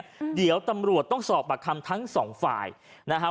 อืมเดี๋ยวตำรวจต้องสอบปากคำทั้งสองฝ่ายนะฮะ